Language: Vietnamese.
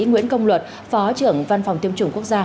nguyễn công luật phó trưởng văn phòng tiêm chủng quốc gia